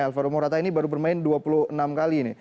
alvaro morata ini baru bermain dua puluh enam kali ini